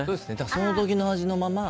その時の味のまま。